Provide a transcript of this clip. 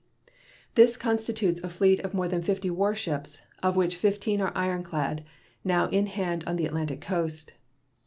This constitutes a fleet of more than fifty war ships, of which fifteen are ironclad, now in hand on the Atlantic coast.